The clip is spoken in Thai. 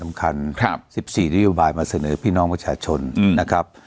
สำคัญครับสิบสี่นโยบายมาเสนอพี่น้องประชาชนอือนะครับ